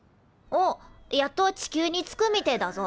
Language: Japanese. おっやっと地球に着くみてえだぞ。